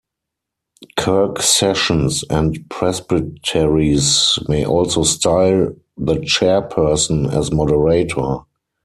Kirk Sessions and Presbyteries may also style the chairperson as moderator.